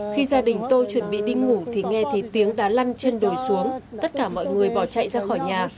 khi gia đình tôi chuẩn bị đi ngủ thì nghe thấy tiếng đá lăn trên đồi xuống tất cả mọi người bỏ chạy ra khỏi nhà